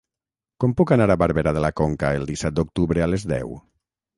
Com puc anar a Barberà de la Conca el disset d'octubre a les deu?